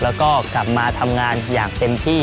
แล้วก็กลับมาทำงานอย่างเต็มที่